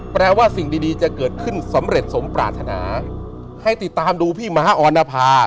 แปลว่าสิ่งดีจะเกิดขึ้นสำเร็จสมปรารถนาให้ติดตามดูพี่ม้าออนภา